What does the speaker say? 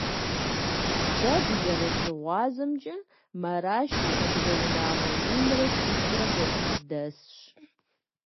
Дэ дызэрыщыгъуазэмкӀэ, Марашым адыгэ унагъуэ минрэ щитхурэ хуэдиз дэсщ.